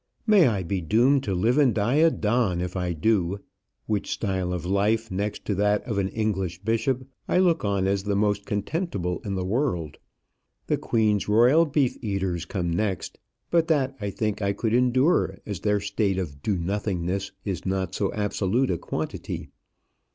"May I be doomed to live and die a don if I do; which style of life, next to that of an English bishop, I look on as the most contemptible in the world. The Queen's royal beef eaters come next; but that, I think, I could endure, as their state of do nothingness is not so absolute a quantity.